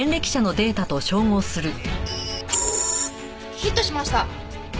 ヒットしました。